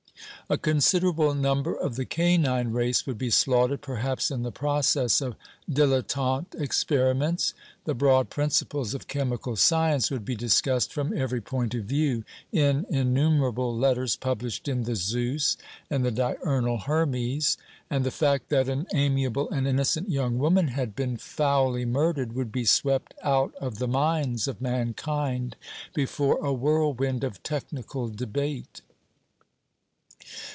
A considerable number of the canine race would be slaughtered, perhaps, in the process of dilettante experiments; the broad principles of chemical science would be discussed from every point of view, in innumerable letters published in the Zeus, and the Diurnal Hermes; and the fact that an amiable and innocent young woman had been foully murdered would be swept out of the minds of mankind before a whirlwind of technical debate.